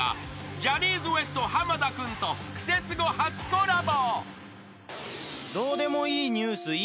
ジャニーズＷＥＳＴ濱田君と『クセスゴ』初コラボ］